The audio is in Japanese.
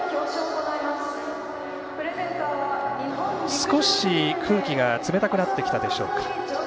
少し空気が冷たくなってきたでしょうか。